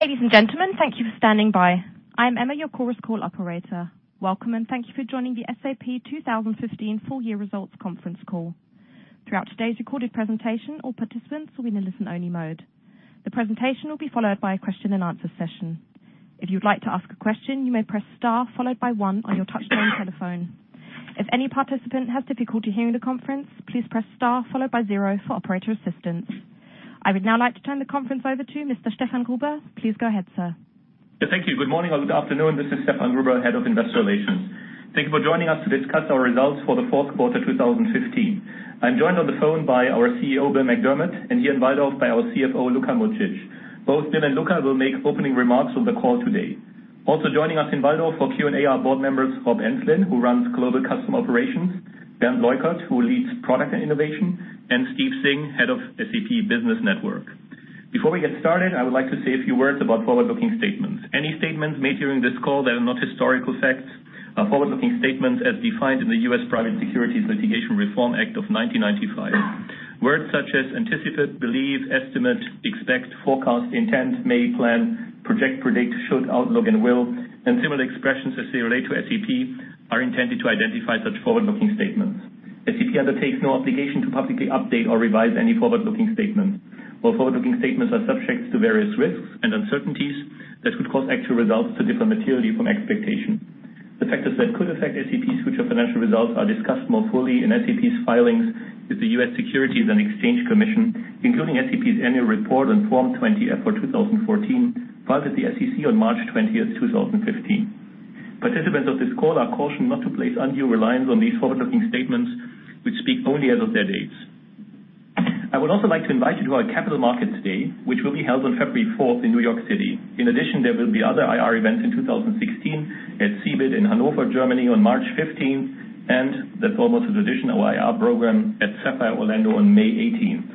Ladies and gentlemen, thank you for standing by. I'm Emma, your Chorus Call operator. Welcome, and thank you for joining the SAP 2015 full year results conference call. Throughout today's recorded presentation, all participants will be in listen-only mode. The presentation will be followed by a question and answer session. If you would like to ask a question, you may press star followed by one on your touchtone telephone. If any participant has difficulty hearing the conference, please press star followed by zero for operator assistance. I would now like to turn the conference over to Mr. Stefan Gruber. Please go ahead, sir. Thank you. Good morning or good afternoon. This is Stefan Gruber, Head of Investor Relations. Thank you for joining us to discuss our results for the fourth quarter 2015. I'm joined on the phone by our CEO, Bill McDermott, and here in Walldorf by our CFO, Luka Mucic. Both Bill and Luka will make opening remarks on the call today. Also joining us in Walldorf for Q&A are board members Rob Enslin, who runs Global Customer Operations, Bernd Leukert, who leads Products & Innovation, and Steve Singh, head of SAP Business Network. Before we get started, I would like to say a few words about forward-looking statements. Any statements made during this call that are not historical facts are forward-looking statements as defined in the U.S. Private Securities Litigation Reform Act of 1995. Words such as anticipate, believe, estimate, expect, forecast, intent, may, plan, project, predict, should, outlook, and will, and similar expressions as they relate to SAP, are intended to identify such forward-looking statements. SAP undertakes no obligation to publicly update or revise any forward-looking statements. All forward-looking statements are subject to various risks and uncertainties that could cause actual results to differ materially from expectation. The factors that could affect SAP's future financial results are discussed more fully in SAP's filings with the U.S. Securities and Exchange Commission, including SAP's annual report on Form 20-F for 2014, filed with the SEC on March 20, 2015. Participants of this call are cautioned not to place undue reliance on these forward-looking statements, which speak only as of their dates. I would also like to invite you to our Capital Markets Day, which will be held on February 4 in New York City. There will be other IR events in 2016 at CeBIT in Hanover, Germany on March 15, and that's almost a traditional IR program at Sapphire Orlando on May 18.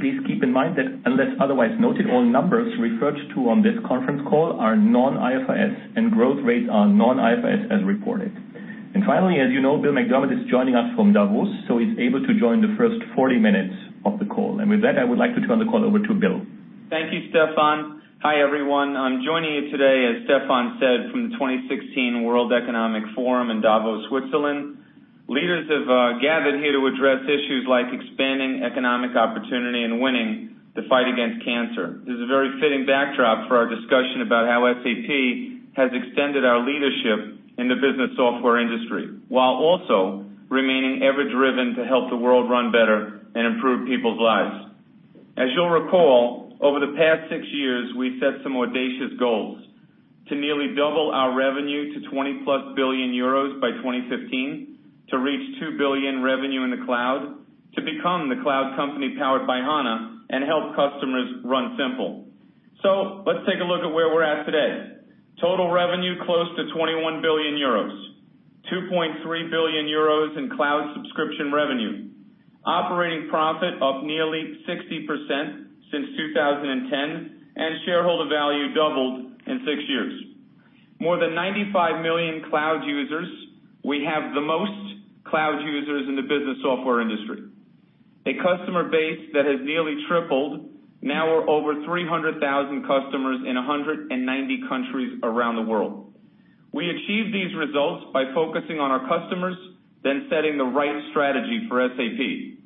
Please keep in mind that unless otherwise noted, all numbers referred to on this conference call are non-IFRS, and growth rates are non-IFRS as reported. Finally, as you know, Bill McDermott is joining us from Davos, so he's able to join the first 40 minutes of the call. With that, I would like to turn the call over to Bill. Thank you, Stefan. Hi, everyone. I am joining you today, as Stefan said, from the 2016 World Economic Forum in Davos, Switzerland. Leaders have gathered here to address issues like expanding economic opportunity and winning the fight against cancer. This is a very fitting backdrop for our discussion about how SAP has extended our leadership in the business software industry, while also remaining ever driven to help the world run better and improve people's lives. As you will recall, over the past six years, we have set some audacious goals to nearly double our revenue to 20 billion euros plus by 2015, to reach $2 billion revenue in the cloud, to become the cloud company powered by HANA, and help customers run simple. Let us take a look at where we are at today. Total revenue close to 21 billion euros, 2.3 billion euros in cloud subscription revenue. Operating profit up nearly 60% since 2010, shareholder value doubled in six years. More than 95 million cloud users. We have the most cloud users in the business software industry. A customer base that has nearly tripled. Now we are over 300,000 customers in 190 countries around the world. We achieved these results by focusing on our customers, setting the right strategy for SAP.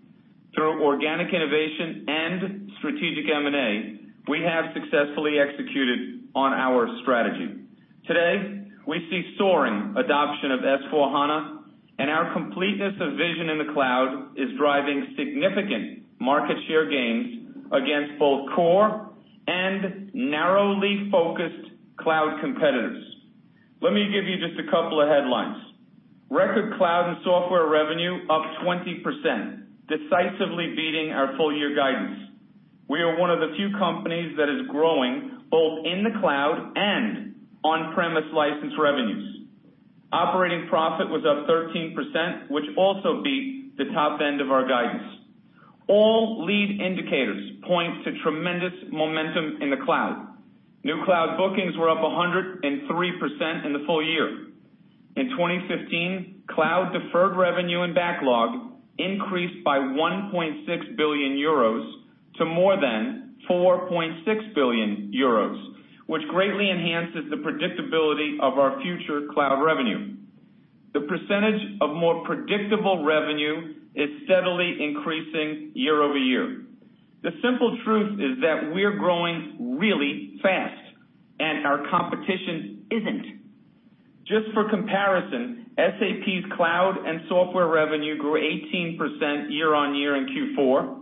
Through organic innovation and strategic M&A, we have successfully executed on our strategy. Today, we see soaring adoption of SAP S/4HANA, and our completeness of vision in the cloud is driving significant market share gains against both core and narrowly focused cloud competitors. Let me give you just a couple of headlines. Record cloud and software revenue up 20%, decisively beating our full year guidance. We are one of the few companies that is growing both in the cloud and on-premise license revenues. Operating profit was up 13%, which also beat the top end of our guidance. All lead indicators point to tremendous momentum in the cloud. New cloud bookings were up 103% in the full year. In 2015, cloud deferred revenue and backlog increased by 1.6 billion euros to more than 4.6 billion euros, which greatly enhances the predictability of our future cloud revenue. The percentage of more predictable revenue is steadily increasing year-over-year. The simple truth is that we are growing really fast, our competition is not. Just for comparison, SAP's cloud and software revenue grew 18% year-on-year in Q4.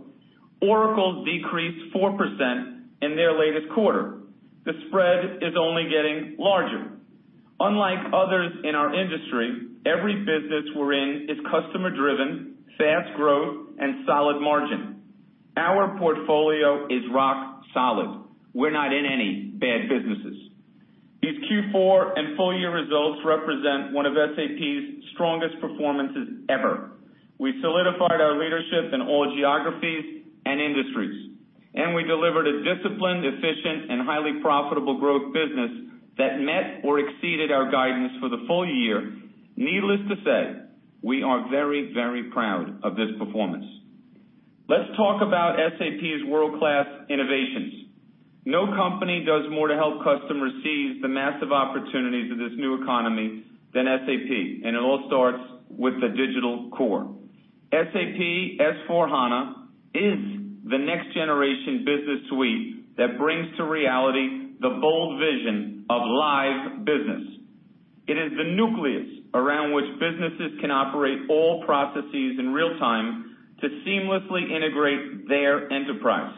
Oracle decreased 4% in their latest quarter. The spread is only getting larger. Unlike others in our industry, every business we are in is customer driven, fast growth, and solid margin. Our portfolio is rock solid. We are not in any bad businesses. These Q4 and full year results represent one of SAP's strongest performances ever. We solidified our leadership in all geographies and industries, we delivered a disciplined, efficient, and highly profitable growth business that met or exceeded our guidance for the full year. Needless to say, we are very, very proud of this performance. Let us talk about SAP's world-class innovations. No company does more to help customers seize the massive opportunities of this new economy than SAP, it all starts with the digital core. SAP S/4HANA is the next-generation business suite that brings to reality the bold vision of live business. It is the nucleus around which businesses can operate all processes in real time to seamlessly integrate their enterprise.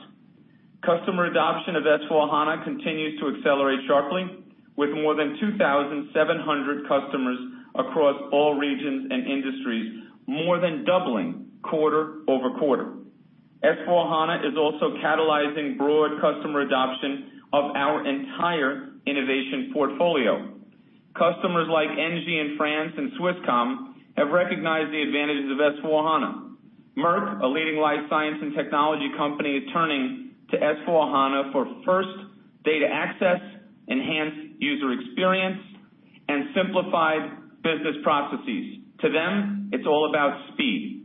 Customer adoption of SAP S/4HANA continues to accelerate sharply with more than 2,700 customers across all regions and industries, more than doubling quarter-over-quarter. S/4HANA is also catalyzing broad customer adoption of our entire innovation portfolio. Customers like ENGIE in France and Swisscom have recognized the advantages of S/4HANA. Merck, a leading life science and technology company, is turning to S/4HANA for first data access, enhanced user experience, and simplified business processes. To them, it's all about speed.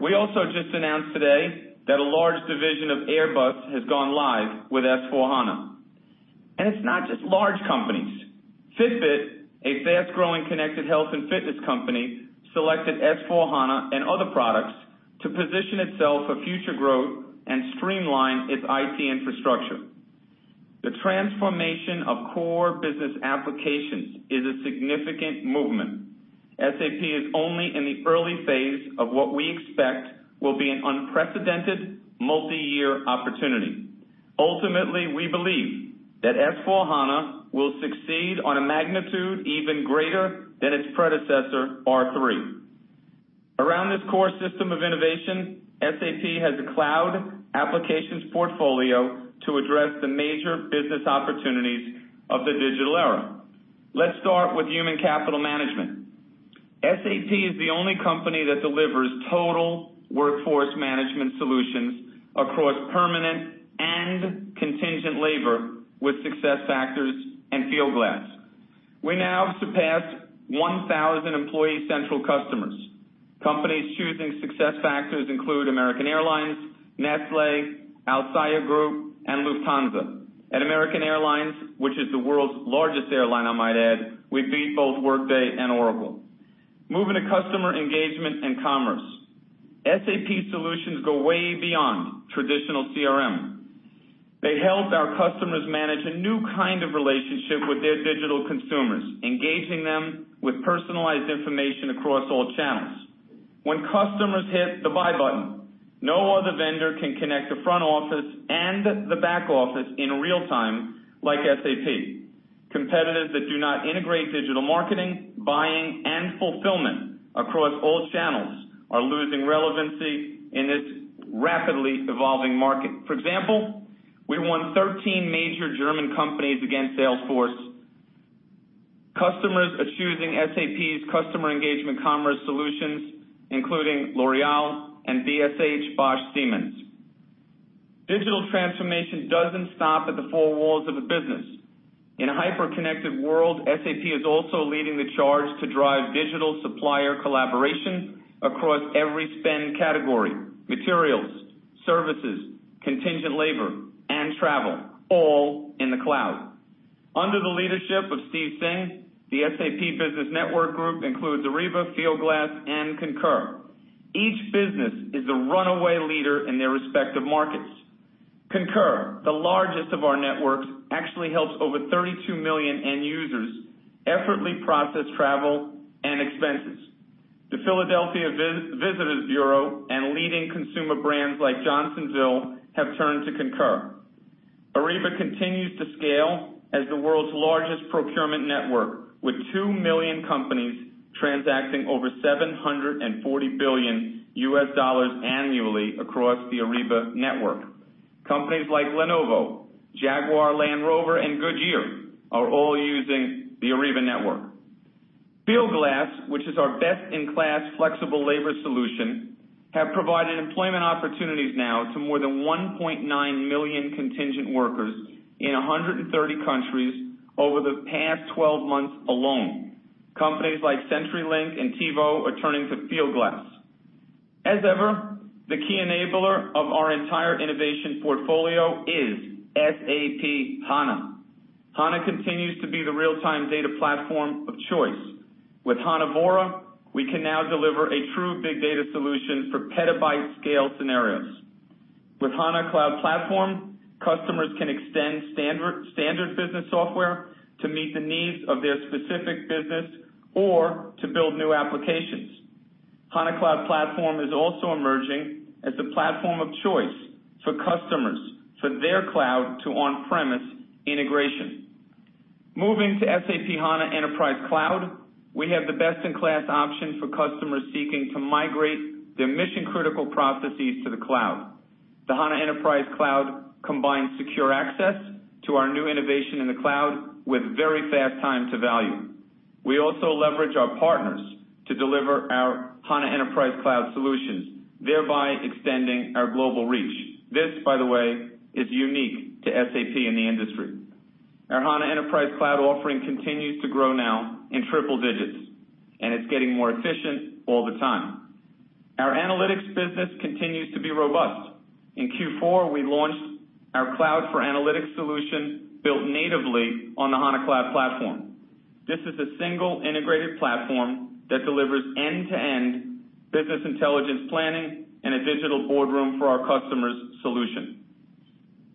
We also just announced today that a large division of Airbus has gone live with S/4HANA. It's not just large companies. Fitbit, a fast-growing connected health and fitness company, selected S/4HANA and other products to position itself for future growth and streamline its IT infrastructure. The transformation of core business applications is a significant movement. SAP is only in the early phase of what we expect will be an unprecedented multi-year opportunity. Ultimately, we believe that S/4HANA will succeed on a magnitude even greater than its predecessor, R/3. Around this core system of innovation, SAP has a cloud applications portfolio to address the major business opportunities of the digital era. Let's start with human capital management. SAP is the only company that delivers total workforce management solutions across permanent and contingent labor with SuccessFactors and Fieldglass. We now surpassed 1,000 Employee Central customers. Companies choosing SuccessFactors include American Airlines, Nestlé, Alshaya Group, and Lufthansa. At American Airlines, which is the world's largest airline, I might add, we beat both Workday and Oracle. Moving to customer engagement and commerce. SAP solutions go way beyond traditional CRM. They help our customers manage a new kind of relationship with their digital consumers, engaging them with personalized information across all channels. When customers hit the buy button, no other vendor can connect the front office and the back office in real time like SAP. Competitors that do not integrate digital marketing, buying, and fulfillment across all channels are losing relevancy in this rapidly evolving market. For example, we won 13 major German companies against Salesforce. Customers are choosing SAP's customer engagement commerce solutions, including L'Oréal and BSH Bosch Siemens. Digital transformation doesn't stop at the four walls of a business. In a hyper-connected world, SAP is also leading the charge to drive digital supplier collaboration across every spend category, materials, services, contingent labor, and travel, all in the cloud. Under the leadership of Steve Singh, the SAP Business Network group includes Ariba, Fieldglass, and Concur. Each business is the runaway leader in their respective markets. Concur, the largest of our networks, actually helps over 32 million end users effortlessly process travel and expenses. The Philadelphia Visitors Bureau and leading consumer brands like Johnsonville have turned to Concur. Ariba continues to scale as the world's largest procurement network, with 2 million companies transacting over EUR 740 billion annually across the Ariba network. Companies like Lenovo, Jaguar Land Rover, and Goodyear are all using the Ariba network. Fieldglass, which is our best-in-class flexible labor solution, have provided employment opportunities now to more than 1.9 million contingent workers in 130 countries over the past 12 months alone. Companies like CenturyLink and TiVo are turning to Fieldglass. As ever, the key enabler of our entire innovation portfolio is SAP HANA. HANA continues to be the real-time data platform of choice. With HANA Vora, we can now deliver a true big data solution for petabyte scale scenarios. With HANA Cloud Platform, customers can extend standard business software to meet the needs of their specific business or to build new applications. HANA Cloud Platform is also emerging as the platform of choice for customers for their cloud to on-premise integration. Moving to SAP HANA Enterprise Cloud, we have the best-in-class option for customers seeking to migrate their mission-critical processes to the cloud. The HANA Enterprise Cloud combines secure access to our new innovation in the cloud with very fast time to value. We also leverage our partners to deliver our HANA Enterprise Cloud solutions, thereby extending our global reach. This, by the way, is unique to SAP in the industry. Our HANA Enterprise Cloud offering continues to grow now in triple digits, and it's getting more efficient all the time. Our analytics business continues to be robust. In Q4, we launched our SAP Cloud for Analytics solution, built natively on the HANA Cloud Platform. This is a single integrated platform that delivers end-to-end business intelligence planning and a SAP Digital Boardroom for our customers' solution.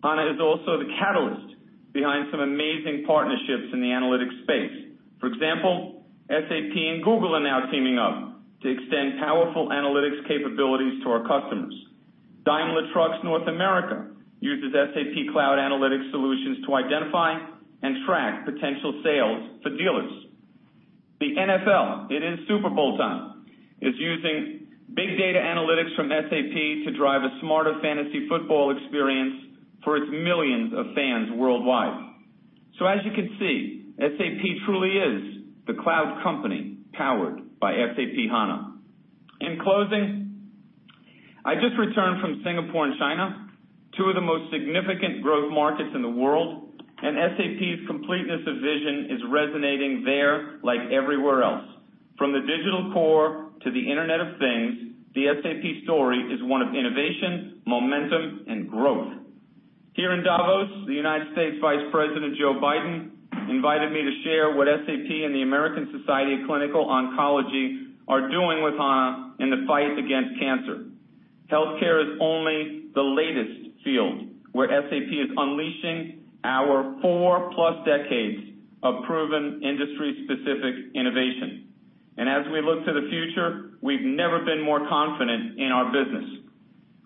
HANA is also the catalyst behind some amazing partnerships in the analytics space. For example, SAP and Google are now teaming up to extend powerful analytics capabilities to our customers. Daimler Trucks North America uses SAP Cloud for Analytics solutions to identify and track potential sales for dealers. The NFL, it is Super Bowl time, is using big data analytics from SAP to drive a smarter fantasy football experience for its millions of fans worldwide. As you can see, SAP truly is the cloud company powered by SAP HANA. In closing, I just returned from Singapore and China, two of the most significant growth markets in the world, SAP's completeness of vision is resonating there like everywhere else. From the digital core to the Internet of Things, the SAP story is one of innovation, momentum, and growth. Here in Davos, the U.S. Vice President, Joe Biden, invited me to share what SAP and the American Society of Clinical Oncology are doing with HANA in the fight against cancer. Healthcare is only the latest field where SAP is unleashing our four-plus decades of proven industry-specific innovation. As we look to the future, we've never been more confident in our business.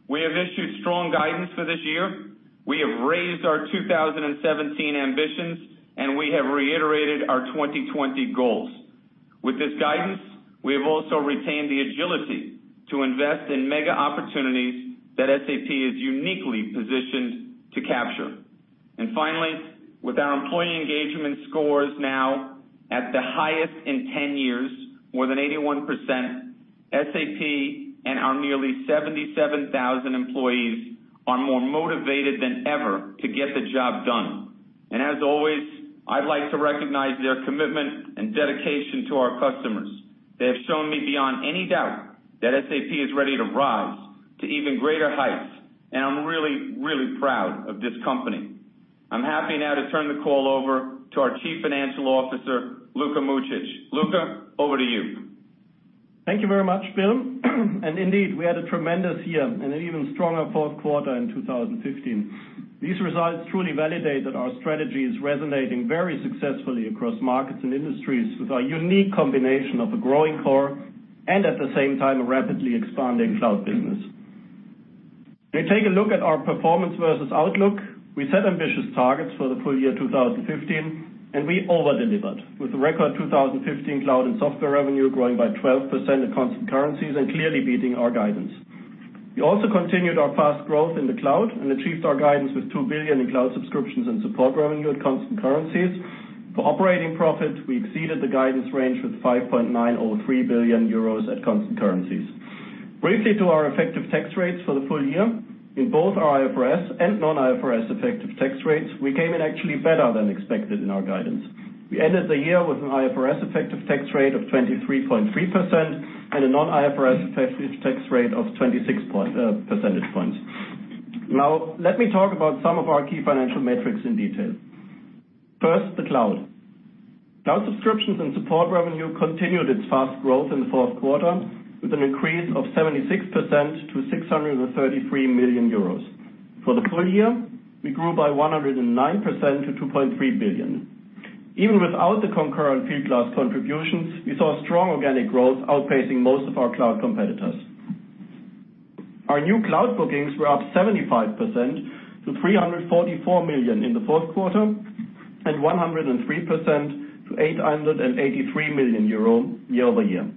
We have issued strong guidance for this year. We have raised our 2017 ambitions, we have reiterated our 2020 goals. With this guidance, we have also retained the agility to invest in mega opportunities that SAP is uniquely positioned to capture. Finally, with our employee engagement scores now at the highest in 10 years, more than 81%, SAP and our nearly 77,000 employees are more motivated than ever to get the job done. As always, I'd like to recognize their commitment and dedication to our customers. They have shown me beyond any doubt that SAP is ready to rise to even greater heights, and I'm really proud of this company. I'm happy now to turn the call over to our Chief Financial Officer, Luka Mucic. Luka, over to you. Thank you very much, Bill. Indeed, we had a tremendous year and an even stronger fourth quarter in 2015. These results truly validate that our strategy is resonating very successfully across markets and industries with our unique combination of a growing core and at the same time, a rapidly expanding cloud business. If we take a look at our performance versus outlook, we set ambitious targets for the full year 2015, we over-delivered, with the record 2015 cloud and software revenue growing by 12% at constant currencies and clearly beating our guidance. We also continued our fast growth in the cloud and achieved our guidance with 2 billion in cloud subscriptions and support revenue at constant currencies. For operating profit, we exceeded the guidance range with 5.903 billion euros at constant currencies. Briefly to our effective tax rates for the full year. In both our IFRS and non-IFRS effective tax rates, we came in actually better than expected in our guidance. We ended the year with an IFRS effective tax rate of 23.3% and a non-IFRS effective tax rate of 26 percentage points. Now, let me talk about some of our key financial metrics in detail. First, the cloud. Cloud subscriptions and support revenue continued its fast growth in the fourth quarter, with an increase of 76% to 633 million euros. For the full year, we grew by 109% to 2.3 billion. Even without the Concur and Fieldglass contributions, we saw strong organic growth outpacing most of our cloud competitors. Our new cloud bookings were up 75% to 344 million in the fourth quarter and 103% to 883 million euro year-over-year.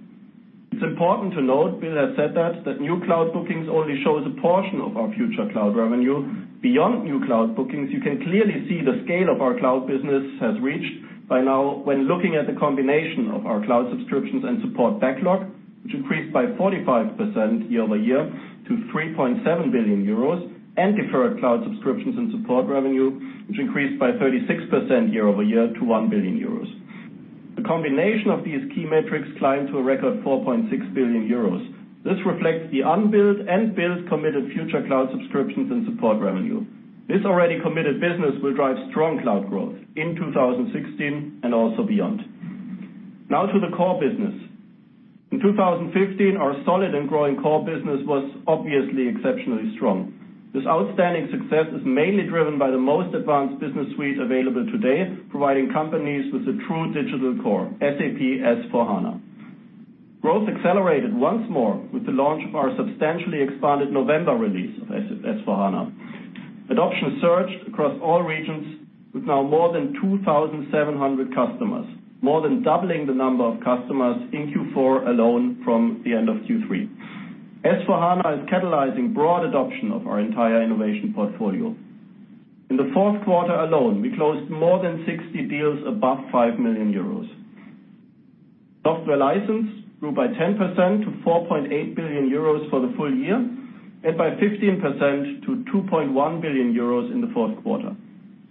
It's important to note, Bill has said that new cloud bookings only shows a portion of our future cloud revenue. Beyond new cloud bookings, you can clearly see the scale of our cloud business has reached by now when looking at the combination of our cloud subscriptions and support backlog, which increased by 45% year-over-year to 3.7 billion euros, and deferred cloud subscriptions and support revenue, which increased by 36% year-over-year to 1 billion euros. The combination of these key metrics climbed to a record 4.6 billion euros. This reflects the unbilled and billed committed future cloud subscriptions and support revenue. This already committed business will drive strong cloud growth in 2016 and also beyond. Now to the core business. In 2015, our solid and growing core business was obviously exceptionally strong. This outstanding success is mainly driven by the most advanced business suite available today, providing companies with a true digital core, SAP S/4HANA. Growth accelerated once more with the launch of our substantially expanded November release of S/4HANA. Adoption surged across all regions with now more than 2,700 customers, more than doubling the number of customers in Q4 alone from the end of Q3. S/4HANA is catalyzing broad adoption of our entire innovation portfolio. In the fourth quarter alone, we closed more than 60 deals above 5 million euros. Software license grew by 10% to 4.8 billion euros for the full year, and by 15% to 2.1 billion euros in the fourth quarter.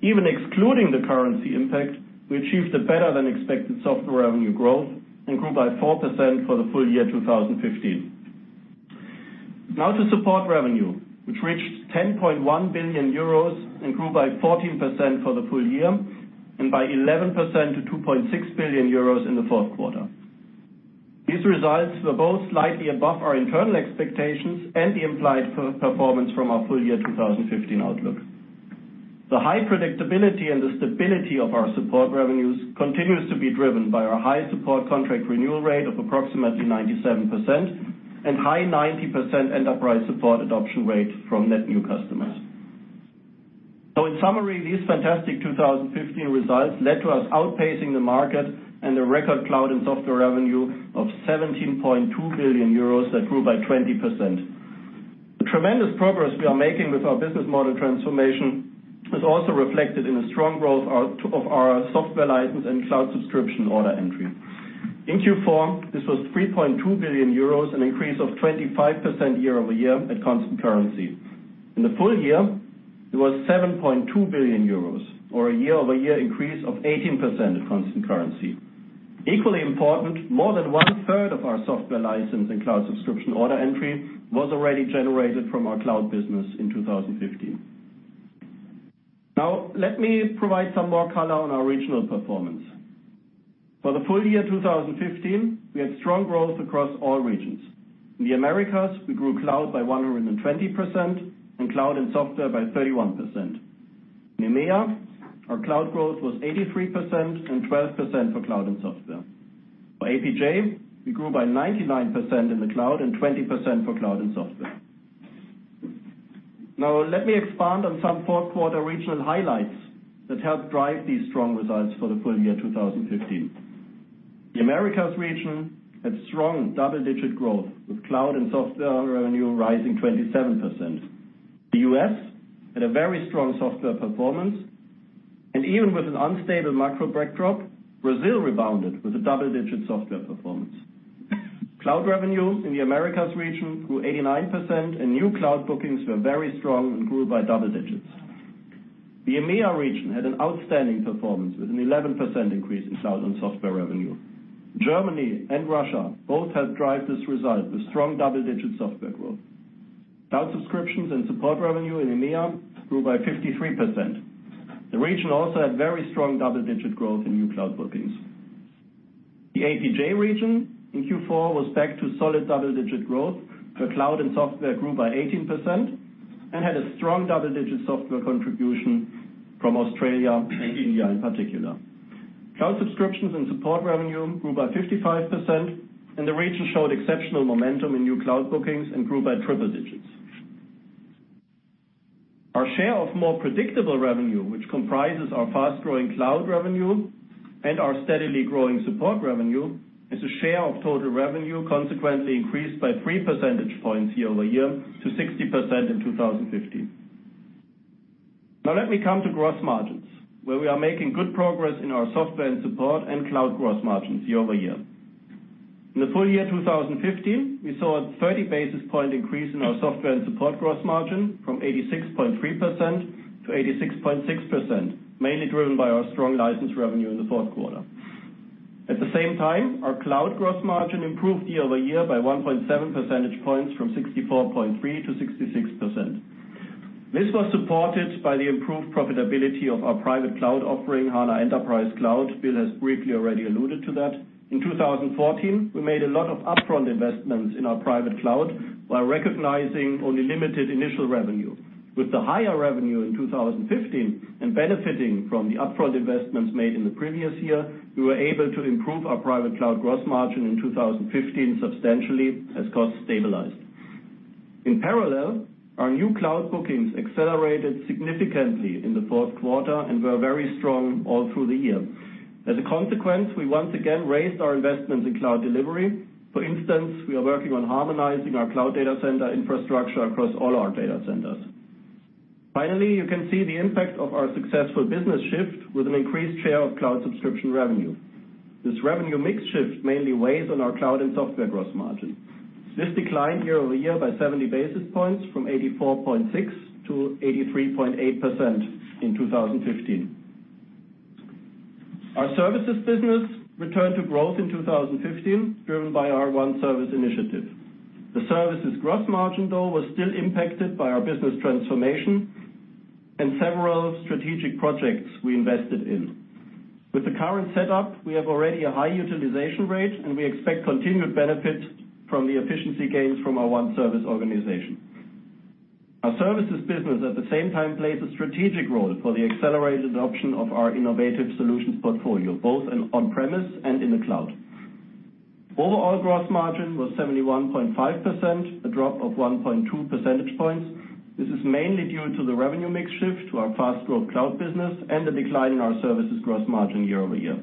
Even excluding the currency impact, we achieved a better than expected software revenue growth and grew by 4% for the full year 2015. Now to support revenue, which reached 10.1 billion euros and grew by 14% for the full year, and by 11% to 2.6 billion euros in the fourth quarter. These results were both slightly above our internal expectations and the implied performance from our full year 2015 outlook. The high predictability and the stability of our support revenues continues to be driven by our high support contract renewal rate of approximately 97%, and high 90% enterprise support adoption rate from net new customers. In summary, these fantastic 2015 results led to us outpacing the market and a record cloud and software revenue of 17.2 billion euros that grew by 20%. The tremendous progress we are making with our business model transformation is also reflected in the strong growth of our software license and cloud subscription order entry. In Q4, this was 3.2 billion euros, an increase of 25% year-over-year at constant currency. In the full year, it was 7.2 billion euros, or a year-over-year increase of 18% at constant currency. Equally important, more than one-third of our software license and cloud subscription order entry was already generated from our cloud business in 2015. Now, let me provide some more color on our regional performance. For the full year 2015, we had strong growth across all regions. In the Americas, we grew cloud by 120%, and cloud and software by 31%. In EMEA, our cloud growth was 83% and 12% for cloud and software. For APJ, we grew by 99% in the cloud and 20% for cloud and software. Now, let me expand on some fourth quarter regional highlights that helped drive these strong results for the full year 2015. The Americas region had strong double-digit growth, with cloud and software revenue rising 27%. The U.S. had a very strong software performance, and even with an unstable macro backdrop, Brazil rebounded with a double-digit software performance. Cloud revenue in the Americas region grew 89%, and new cloud bookings were very strong and grew by double digits. The EMEA region had an outstanding performance with an 11% increase in cloud and software revenue. Germany and Russia both helped drive this result with strong double-digit software growth. Cloud subscriptions and support revenue in EMEA grew by 53%. The region also had very strong double-digit growth in new cloud bookings. The APJ region in Q4 was back to solid double-digit growth, where cloud and software grew by 18%, and had a strong double-digit software contribution from Australia and India in particular. Cloud subscriptions and support revenue grew by 55%, and the region showed exceptional momentum in new cloud bookings and grew by triple digits. Our share of more predictable revenue, which comprises our fast-growing cloud revenue and our steadily growing support revenue, as a share of total revenue consequently increased by three percentage points year-over-year to 60% in 2015. Now let me come to gross margins, where we are making good progress in our software and support and cloud gross margins year-over-year. In the full year 2015, we saw a 30-basis point increase in our software and support gross margin from 86.3% to 86.6%, mainly driven by our strong license revenue in the fourth quarter. At the same time, our cloud gross margin improved year-over-year by 1.7 percentage points from 64.3% to 66%. This was supported by the improved profitability of our private cloud offering, SAP HANA Enterprise Cloud. Bill has briefly already alluded to that. In 2014, we made a lot of upfront investments in our private cloud while recognizing only limited initial revenue. With the higher revenue in 2015 and benefiting from the upfront investments made in the previous year, we were able to improve our private cloud gross margin in 2015 substantially as costs stabilized. In parallel, our new cloud bookings accelerated significantly in the fourth quarter and were very strong all through the year. As a consequence, we once again raised our investments in cloud delivery. For instance, we are working on harmonizing our cloud data center infrastructure across all our data centers. Finally, you can see the impact of our successful business shift with an increased share of cloud subscription revenue. This revenue mix shift mainly weighs on our cloud and software gross margin. This declined year-over-year by 70 basis points from 84.6% to 83.8% in 2015. Our services business returned to growth in 2015, driven by our One Service initiative. The services gross margin, though, was still impacted by our business transformation and several strategic projects we invested in. With the current setup, we have already a high utilization rate, and we expect continued benefits from the efficiency gains from our One Service organization. Our services business, at the same time, plays a strategic role for the accelerated adoption of our innovative solutions portfolio, both in on-premise and in the cloud. Overall gross margin was 71.5%, a drop of 1.2 percentage points. This is mainly due to the revenue mix shift to our fast growth cloud business and the decline in our services gross margin year-over-year.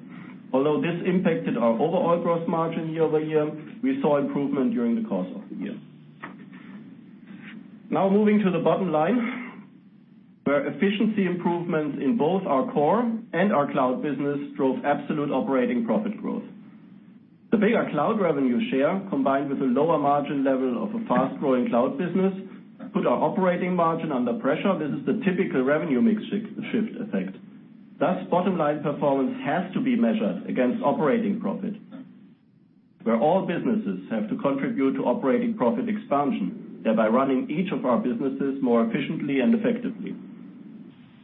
Although this impacted our overall gross margin year-over-year, we saw improvement during the course of the year. Moving to the bottom line, where efficiency improvements in both our core and our cloud business drove absolute operating profit growth. The bigger cloud revenue share, combined with a lower margin level of a fast-growing cloud business, put our operating margin under pressure. This is the typical revenue mix shift effect. Thus, bottom-line performance has to be measured against operating profit, where all businesses have to contribute to operating profit expansion, thereby running each of our businesses more efficiently and effectively.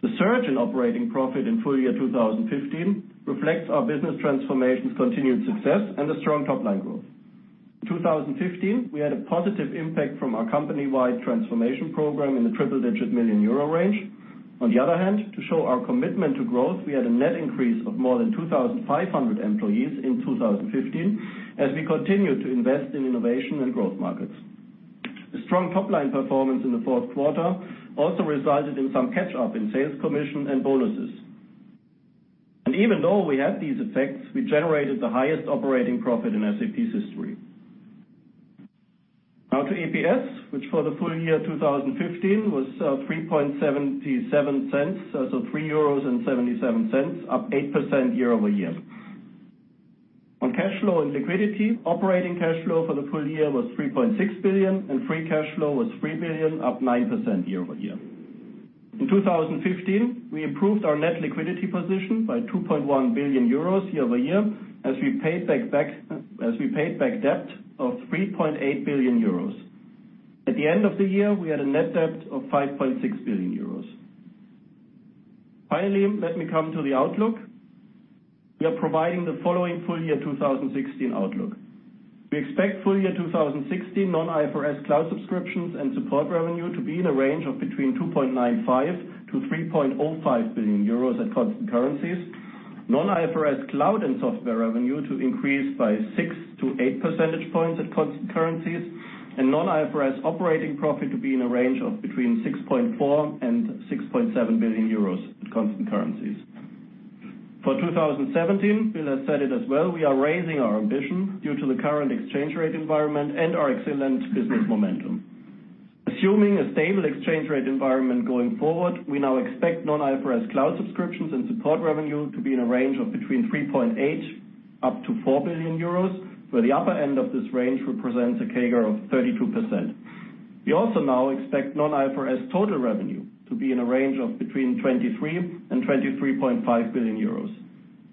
The surge in operating profit in full-year 2015 reflects our business transformation's continued success and a strong top-line growth. In 2015, we had a positive impact from our company-wide transformation program in the triple-digit million EUR range. On the other hand, to show our commitment to growth, we had a net increase of more than 2,500 employees in 2015, as we continued to invest in innovation and growth markets. The strong top-line performance in the fourth quarter also resulted in some catch-up in sales commission and bonuses. Even though we had these effects, we generated the highest operating profit in SAP's history. To EPS, which for the full year 2015 was 3.77 cents so 3.77 euros, up 8% year-over-year. On cash flow and liquidity, operating cash flow for the full year was 3.6 billion, and free cash flow was 3 billion, up 9% year-over-year. In 2015, we improved our net liquidity position by 2.1 billion euros year-over-year as we paid back debt of 3.8 billion euros. At the end of the year, we had a net debt of 5.6 billion euros. Finally, let me come to the outlook. We are providing the following full-year 2016 outlook. We expect full year 2016 non-IFRS cloud subscriptions and support revenue to be in a range of between 2.95 billion to 3.05 billion euros at constant currencies, non-IFRS cloud and software revenue to increase by six to eight percentage points at constant currencies, and non-IFRS operating profit to be in a range of between 6.4 billion and 6.7 billion euros at constant currencies. For 2017, Bill has said it as well, we are raising our ambition due to the current exchange rate environment and our excellent business momentum. Assuming a stable exchange rate environment going forward, we now expect non-IFRS cloud subscriptions and support revenue to be in a range of between 3.8 billion up to 4 billion euros, where the upper end of this range represents a CAGR of 32%. We also now expect non-IFRS total revenue to be in a range of between 23 billion and 23.5 billion euros,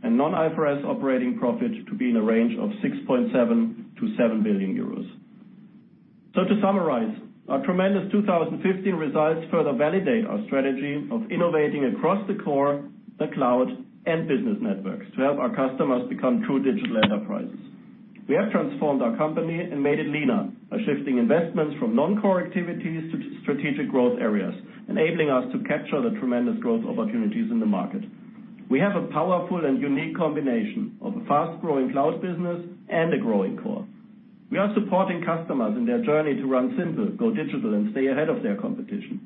and non-IFRS operating profit to be in a range of 6.7 billion to 7 billion euros. To summarize, our tremendous 2015 results further validate our strategy of innovating across the core, the cloud, and business networks to help our customers become true digital enterprises. We have transformed our company and made it leaner by shifting investments from non-core activities to strategic growth areas, enabling us to capture the tremendous growth opportunities in the market. We have a powerful and unique combination of a fast-growing cloud business and a growing core. We are supporting customers in their journey to run simple, go digital, and stay ahead of their competition.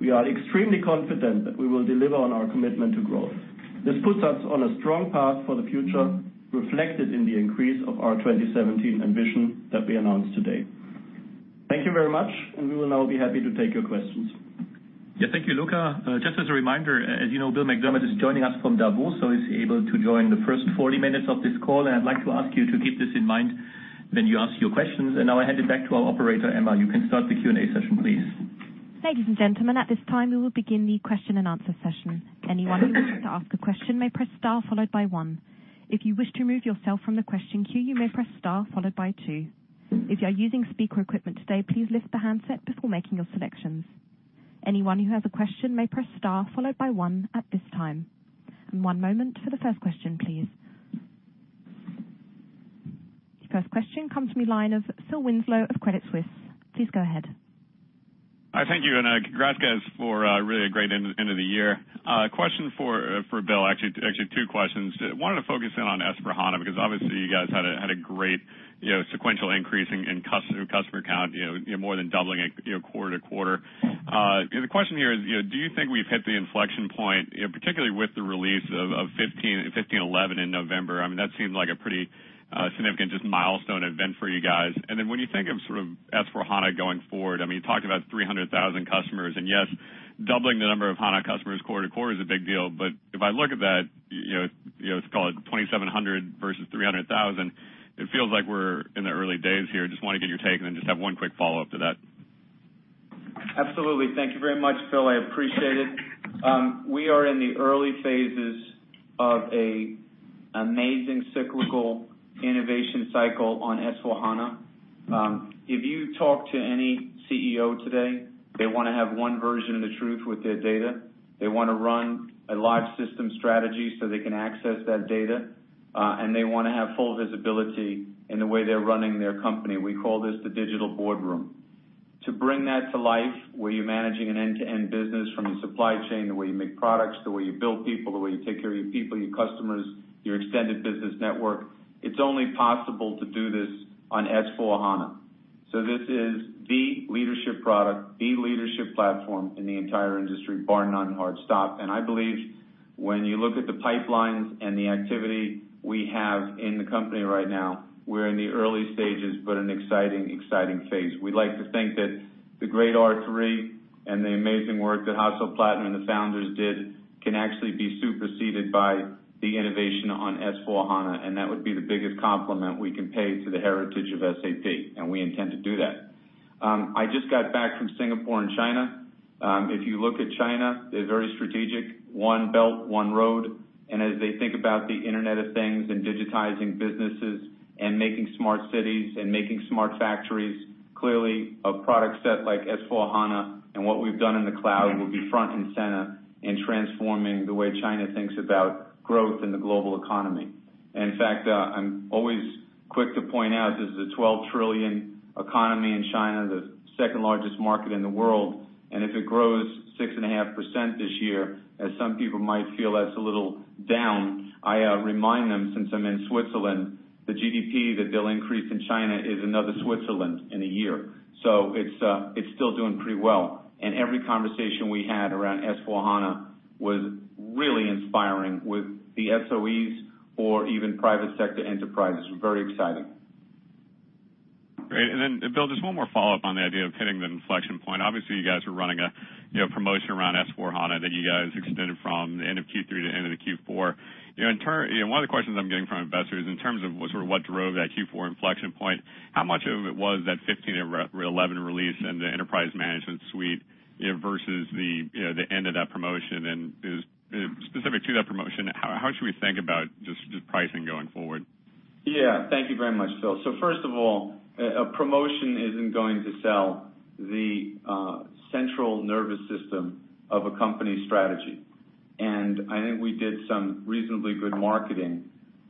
We are extremely confident that we will deliver on our commitment to growth. This puts us on a strong path for the future, reflected in the increase of our 2017 ambition that we announced today. Thank you very much, and we will now be happy to take your questions. Yeah. Thank you, Luka. Just as a reminder, as you know, Bill McDermott is joining us from Davos, so he's able to join the first 40 minutes of this call. I'd like to ask you to keep this in mind when you ask your questions. Now I hand it back to our operator. Emma, you can start the Q&A session, please. Ladies and gentlemen, at this time, we will begin the question-and-answer session. Anyone who would like to ask a question may press star followed by one. If you wish to remove yourself from the question queue, you may press star followed by two. If you are using speaker equipment today, please lift the handset before making your selections. Anyone who has a question may press star followed by one at this time. One moment for the first question, please. The first question comes from the line of Philip Winslow of Credit Suisse. Please go ahead. Hi, thank you. Congrats, guys, for really a great end of the year. Question for Bill. Actually, two questions. Wanted to focus in on S/4HANA, because obviously you guys had a great sequential increase in customer count, more than doubling it quarter-over-quarter. The question here is, do you think we've hit the inflection point, particularly with the release of 1511 in November? I mean, that seemed like a pretty significant milestone event for you guys. Then when you think of sort of S/4HANA going forward, I mean, you talked about 300,000 customers, and yes, doubling the number of HANA customers quarter-over-quarter is a big deal. But if I look at that, let's call it 2,700 versus 300,000, it feels like we're in the early days here. Just want to get your take. Then just have one quick follow-up to that. Absolutely. Thank you very much, Phil. I appreciate it. We are in the early phases of an amazing cyclical innovation cycle on S/4HANA. If you talk to any CEO today, they want to have one version of the truth with their data. They want to run a live system strategy so they can access that data, and they want to have full visibility in the way they're running their company. We call this the Digital Boardroom. To bring that to life, where you're managing an end-to-end business from the supply chain, the way you make products, the way you build people, the way you take care of your people, your customers, your extended business network, it's only possible to do this on S/4HANA. This is the leadership product, the leadership platform in the entire industry, bar none, hard stop. I believe When you look at the pipelines and the activity we have in the company right now, we're in the early stages, but an exciting phase. We'd like to think that the great R/3 and the amazing work that Hasso Plattner and the founders did can actually be superseded by the innovation on S/4HANA. That would be the biggest compliment we can pay to the heritage of SAP. We intend to do that. I just got back from Singapore and China. If you look at China, they're very strategic, one belt, one road, and as they think about the Internet of Things and digitizing businesses and making smart cities and making smart factories, clearly a product set like S/4HANA and what we've done in the cloud will be front and center in transforming the way China thinks about growth in the global economy. In fact, I'm always quick to point out this is a 12 trillion economy in China, the second largest market in the world, and if it grows 6.5% this year, as some people might feel that's a little down, I remind them, since I'm in Switzerland, the GDP that they'll increase in China is another Switzerland in a year. It's still doing pretty well. Every conversation we had around S/4HANA was really inspiring with the SOEs or even private sector enterprises. Very exciting. Great. Bill, just one more follow-up on the idea of hitting the inflection point. Obviously, you guys are running a promotion around S/4HANA that you guys extended from the end of Q3 to the end of the Q4. One of the questions I'm getting from investors, in terms of sort of what drove that Q4 inflection point, how much of it was that 1511 release and the Enterprise Management suite versus the end of that promotion? Specific to that promotion, how should we think about just the pricing going forward? Yeah. Thank you very much, Phil. First of all, a promotion isn't going to sell the central nervous system of a company strategy. I think we did some reasonably good marketing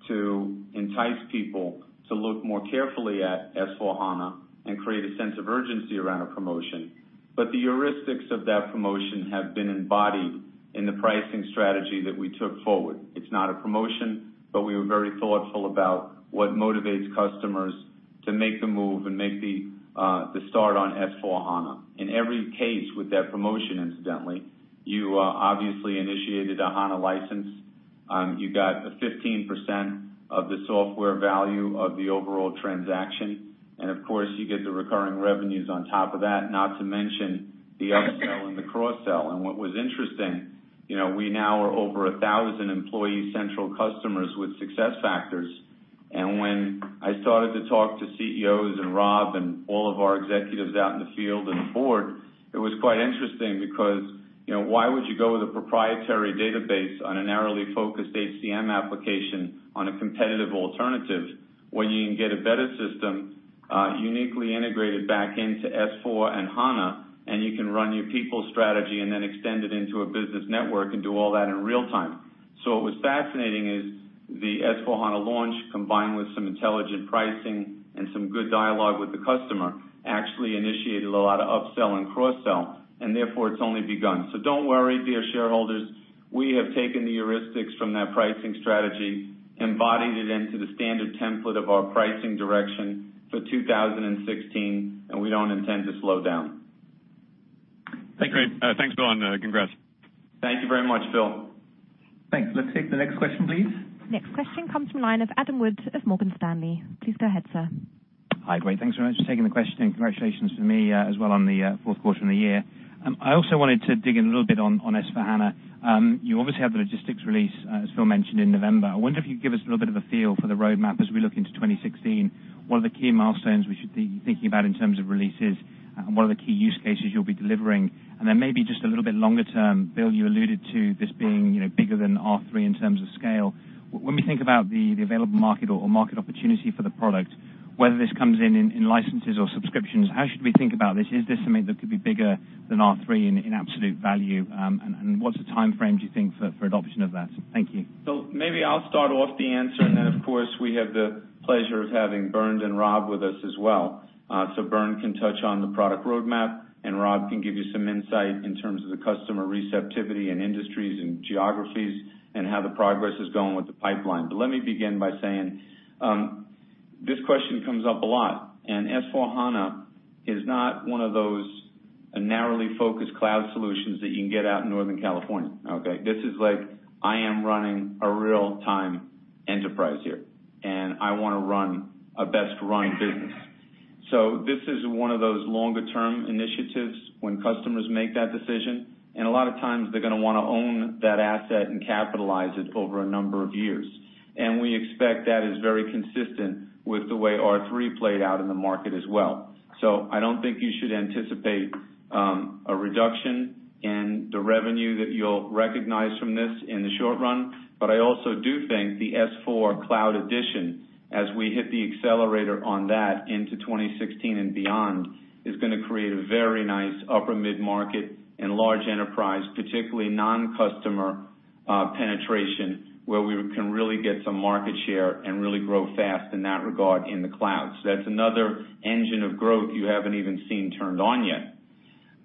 to entice people to look more carefully at S/4HANA and create a sense of urgency around a promotion. The heuristics of that promotion have been embodied in the pricing strategy that we took forward. It's not a promotion, we were very thoughtful about what motivates customers to make the move and make the start on S/4HANA. In every case with that promotion, incidentally, you obviously initiated a HANA license. You got 15% of the software value of the overall transaction. Of course, you get the recurring revenues on top of that, not to mention the upsell and the cross-sell. What was interesting, we now are over 1,000 Employee Central customers with SuccessFactors. When I started to talk to CEOs and Rob and all of our executives out in the field and the board, it was quite interesting because why would you go with a proprietary database on a narrowly focused HCM application on a competitive alternative, when you can get a better system, uniquely integrated back into S/4 and HANA, and you can run your people strategy and then extend it into a SAP Business Network and do all that in real time. What was fascinating is the S/4HANA launch, combined with some intelligent pricing and some good dialogue with the customer, actually initiated a lot of upsell and cross-sell. Therefore it's only begun. Don't worry, dear shareholders, we have taken the heuristics from that pricing strategy, embodied it into the standard template of our pricing direction for 2016, we don't intend to slow down. Great. Thanks, Bill, and congrats. Thank you very much, Phil. Thanks. Let's take the next question, please. Next question comes from line of Adam Wood of Morgan Stanley. Please go ahead, sir. Hi. Great. Thanks very much for taking the question, and congratulations from me as well on the fourth quarter and the year. I also wanted to dig in a little bit on S/4HANA. You obviously had the logistics release, as Phil mentioned, in November. I wonder if you could give us a little bit of a feel for the roadmap as we look into 2016. What are the key milestones we should be thinking about in terms of releases, and what are the key use cases you'll be delivering? Maybe just a little bit longer term, Bill, you alluded to this being bigger than R/3 in terms of scale. When we think about the available market or market opportunity for the product, whether this comes in licenses or subscriptions, how should we think about this? Is this something that could be bigger than R/3 in absolute value? What's the timeframe, do you think, for adoption of that? Thank you. Maybe I'll start off the answer, and then, of course, we have the pleasure of having Bernd and Rob with us as well. Bernd can touch on the product roadmap, and Rob can give you some insight in terms of the customer receptivity and industries and geographies and how the progress is going with the pipeline. Let me begin by saying, this question comes up a lot, and S/4HANA is not one of those narrowly focused cloud solutions that you can get out in Northern California. Okay? This is like, I am running a real-time enterprise here, and I want to run a best-run business. This is one of those longer-term initiatives when customers make that decision, and a lot of times they're going to want to own that asset and capitalize it over a number of years. We expect that is very consistent with the way R/3 played out in the market as well. I don't think you should anticipate a reduction in the revenue that you'll recognize from this in the short run. I also do think the S/4 cloud edition, as we hit the accelerator on that into 2016 and beyond, is going to create a very nice upper mid-market and large enterprise, particularly non-customer penetration, where we can really get some market share and really grow fast in that regard in the cloud. That's another engine of growth you haven't even seen turned on yet.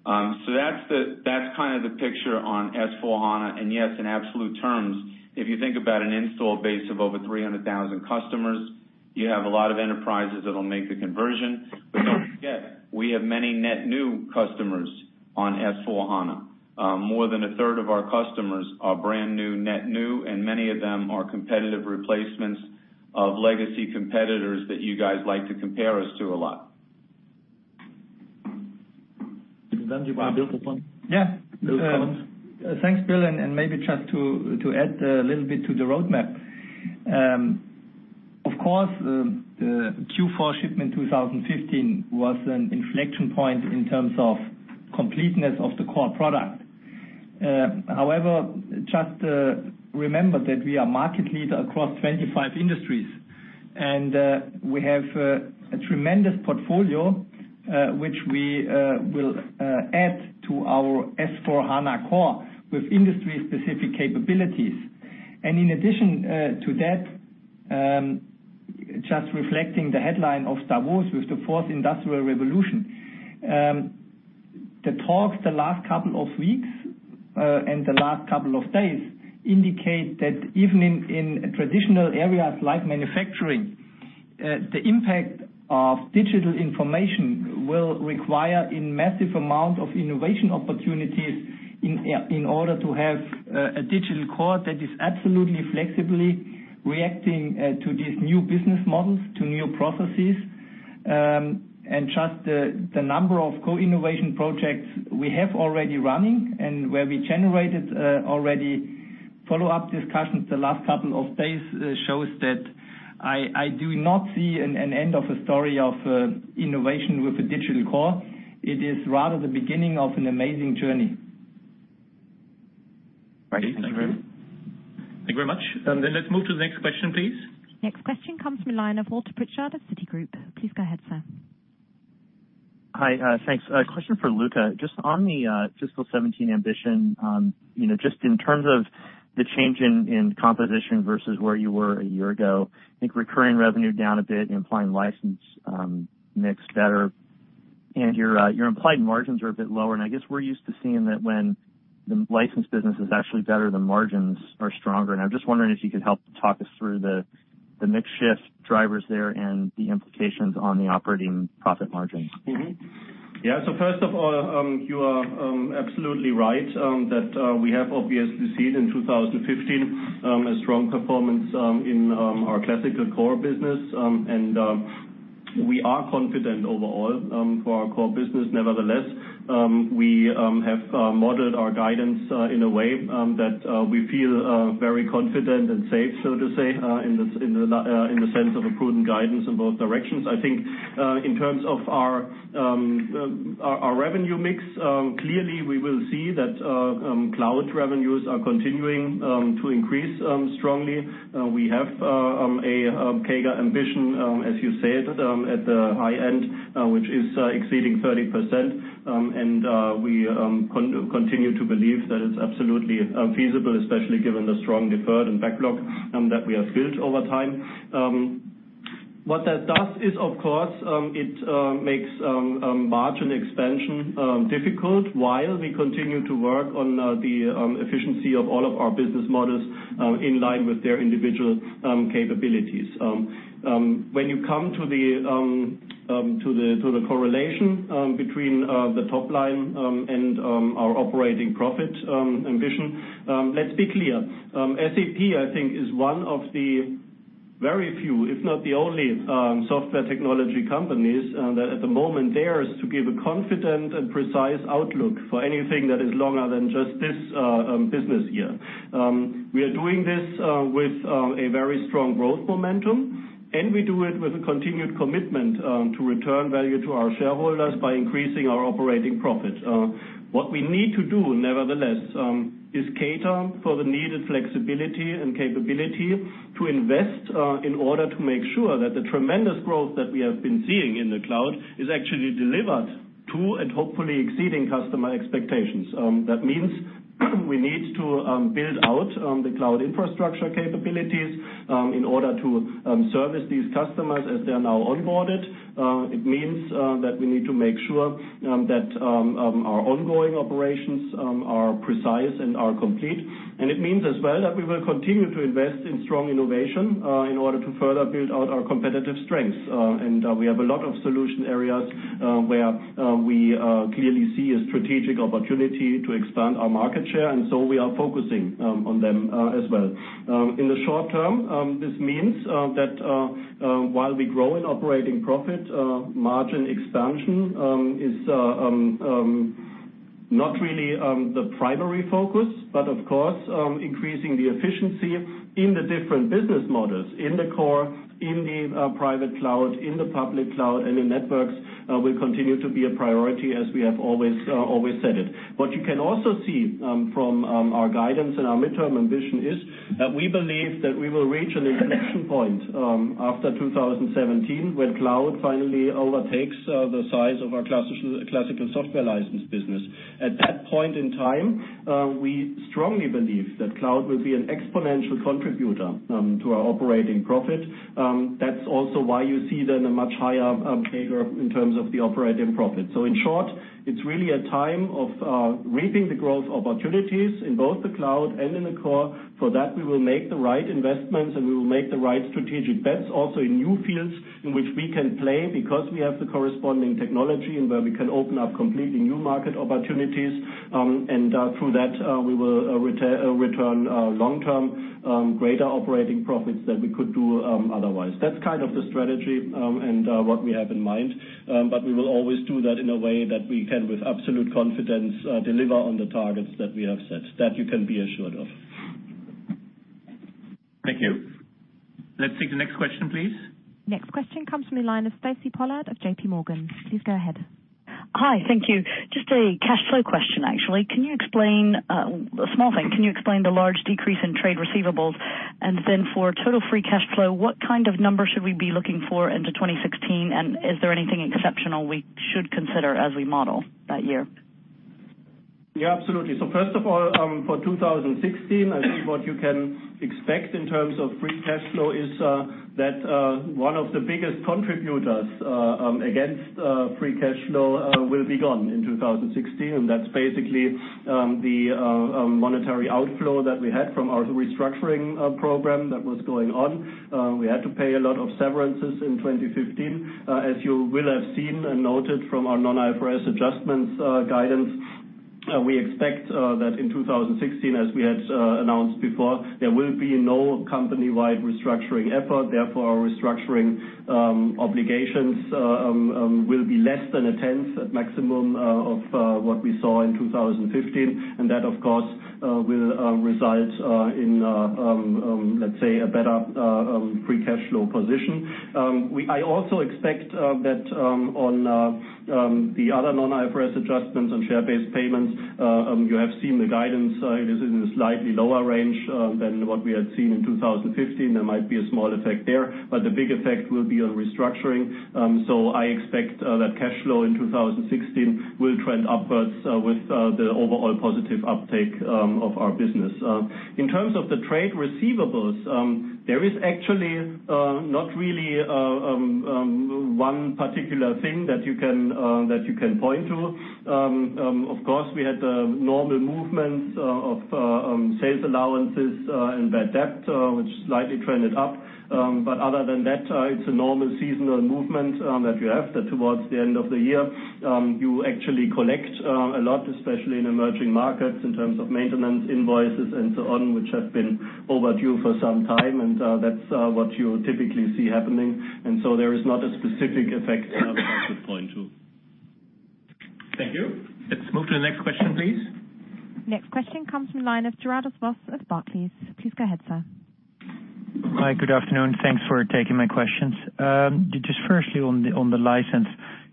That's kind of the picture on S/4HANA, and yes, in absolute terms, if you think about an install base of over 300,000 customers- You have a lot of enterprises that'll make the conversion. Don't forget, we have many net new customers on S/4HANA. More than a third of our customers are brand new, net new, and many of them are competitive replacements of legacy competitors that you guys like to compare us to a lot. Do you want Bill to comment? Yeah. Bill McDermott. Thanks, Bill. Maybe just to add a little bit to the roadmap. Of course, the Q4 shipment 2015 was an inflection point in terms of completeness of the core product. However, just remember that we are market leader across 25 industries, and we have a tremendous portfolio, which we will add to our S/4HANA core with industry-specific capabilities. In addition to that, just reflecting the headline of Davos with the Fourth Industrial Revolution. The talks the last couple of weeks, and the last couple of days indicate that even in traditional areas like manufacturing, the impact of digital information will require a massive amount of innovation opportunities in order to have a digital core that is absolutely flexibly reacting to these new business models, to new processes. Just the number of co-innovation projects we have already running and where we generated already follow-up discussions the last couple of days shows that I do not see an end of a story of innovation with a digital core. It is rather the beginning of an amazing journey. Right. Thank you. Thank you very much. Let's move to the next question, please. Next question comes from the line of Walter Pritchard of Citigroup. Please go ahead, sir. Hi, thanks. A question for Luka. Just on the fiscal 2017 ambition. Just in terms of the change in composition versus where you were a year ago, I think recurring revenue down a bit, implying license mix better, and your implied margins are a bit lower. I guess we're used to seeing that when the license business is actually better, the margins are stronger. I'm just wondering if you could help talk us through the mix shift drivers there and the implications on the operating profit margin. Mm-hmm. Yeah. First of all, you are absolutely right, that we have obviously seen in 2015, a strong performance in our classical core business. We are confident overall for our core business nevertheless. We have modeled our guidance in a way that we feel very confident and safe, so to say, in the sense of a prudent guidance in both directions. I think, in terms of our revenue mix, clearly we will see that cloud revenues are continuing to increase strongly. We have a CAGR ambition, as you said, at the high end, which is exceeding 30%. We continue to believe that it's absolutely feasible, especially given the strong deferred and backlog that we have built over time. What that does is, of course, it makes margin expansion difficult while we continue to work on the efficiency of all of our business models in line with their individual capabilities. When you come to the correlation between the top line and our operating profit ambition, let's be clear. SAP, I think, is one of the very few, if not the only, software technology companies that at the moment dares to give a confident and precise outlook for anything that is longer than just this business year. We are doing this with a very strong growth momentum, and we do it with a continued commitment to return value to our shareholders by increasing our operating profit. What we need to do, nevertheless, is cater for the needed flexibility and capability to invest in order to make sure that the tremendous growth that we have been seeing in the cloud is actually delivered to, and hopefully exceeding customer expectations. That means we need to build out the cloud infrastructure capabilities in order to service these customers as they are now onboarded. It means that we need to make sure that our ongoing operations are precise and are complete. It means as well that we will continue to invest in strong innovation in order to further build out our competitive strengths. We have a lot of solution areas, where we clearly see a strategic opportunity to expand our market share. We are focusing on them as well. In the short term, this means that while we grow in operating profit, margin expansion is not really the primary focus. Of course, increasing the efficiency in the different business models, in the core, in the private cloud, in the public cloud, and in networks, will continue to be a priority as we have always said it. What you can also see from our guidance and our midterm ambition is that we believe that we will reach an inflection point after 2017, when cloud finally overtakes the size of our classical software license business. At that point in time, we strongly believe that cloud will be an exponential contributor to our operating profit. That's also why you see then a much higher CAGR in terms of the operating profit. In short, it's really a time of reaping the growth opportunities in both the cloud and in the core. For that, we will make the right investments, and we will make the right strategic bets also in new fields in which we can play because we have the corresponding technology and where we can open up completely new market opportunities. Through that, we will return long-term greater operating profits than we could do otherwise. That's kind of the strategy, and what we have in mind. We will always do that in a way that we can with absolute confidence deliver on the targets that we have set. That you can be assured of. Thank you. Let's take the next question, please. Next question comes from the line of Stacy Pollard of JPMorgan. Please go ahead. Hi, thank you. Just a cash flow question, actually. A small thing. Can you explain the large decrease in trade receivables? For total free cash flow, what kind of numbers should we be looking for into 2016? Is there anything exceptional we should consider as we model that year? Yeah, absolutely. First of all, for 2016, I think what you can expect in terms of free cash flow is that one of the biggest contributors against free cash flow will be gone in 2016. That's basically the monetary outflow that we had from our restructuring program that was going on. We had to pay a lot of severances in 2015. As you will have seen and noted from our non-IFRS adjustments guidance, we expect that in 2016, as we had announced before, there will be no company-wide restructuring effort. Therefore, our restructuring obligations will be less than a tenth at maximum of what we saw in 2015. That, of course, will result in, let's say, a better free cash flow position. I also expect that on the other non-IFRS adjustments on share-based payments, you have seen the guidance. It is in a slightly lower range than what we had seen in 2015. There might be a small effect there. The big effect will be on restructuring. I expect that cash flow in 2016 will trend upwards with the overall positive uptake of our business. In terms of the trade receivables, there is actually not really one particular thing that you can point to. Of course, we had the normal movements of sales allowances and bad debt, which slightly trended up. Other than that, it's a normal seasonal movement that you have, that towards the end of the year, you actually collect a lot, especially in emerging markets, in terms of maintenance, invoices, and so on, which have been overdue for some time. That's what you typically see happening. There is not a specific effect that I could point to. Thank you. Let's move to the next question, please. Next question comes from the line of Gerrit Swart of Barclays. Please go ahead, sir. Hi. Good afternoon. Thanks for taking my questions. Just firstly on the license.